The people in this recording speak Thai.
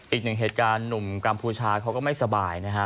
อีกหนึ่งเหตุการณ์หนุ่มกัมพูชาเขาก็ไม่สบายนะฮะ